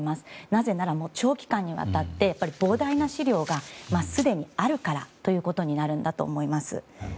なぜなら、長期間にわたって膨大な資料がすでにあるからということになるんだと思います。